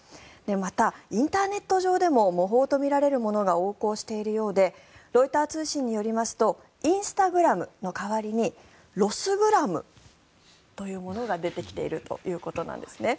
また、インターネット上でも模倣とみられるものが横行しているようでロイター通信によりますとインスタグラムの代わりにＲｏｓｓｇｒａｍというものが出てきているということなんですね。